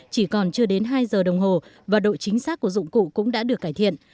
chỉ còn chưa đến hai giờ đồng hồ và độ chính xác của dụng cụ cũng đã được cải thiện